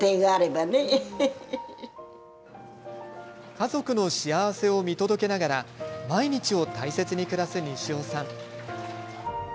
家族の幸せを見届けながら毎日を大切に暮らす西尾さん。